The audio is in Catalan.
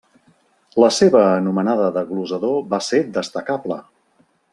La seva anomenada de glosador va ser destacable.